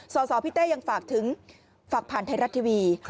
สสพี่เต้ยังฝากถึงฝากผ่านไทยรัฐทีวี